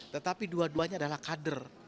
tetapi dua duanya adalah kader